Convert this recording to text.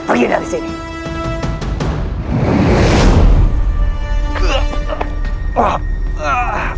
pergi dari sini